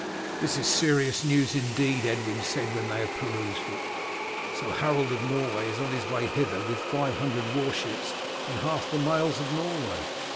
"This is serious news indeed," Edwin said when they had perused it. "So Harold of Norway is on his way hither with five hundred warships and half the males of Norway.